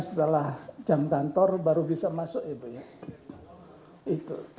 setelah jam kantor baru bisa masuk